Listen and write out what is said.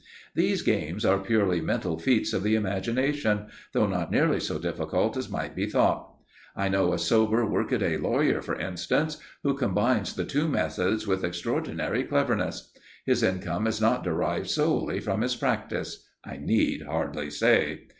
These games are purely mental, feats of the imagination, though not nearly so difficult as might be thought. I know a sober, workaday lawyer, for instance, who combines the two methods with extraordinary cleverness. His income is not derived solely from his practice, I need hardly say.